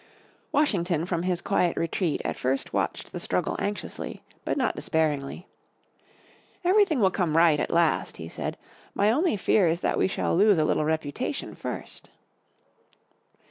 Washington from his quiet retreat at first watched the struggle anxiously, but not despairingly. "Everything will come right, at last," he said. "My only fear is that we shall lose a little reputation first."